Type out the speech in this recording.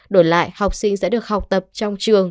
đổi lại học sinh sẽ được học tập trong trường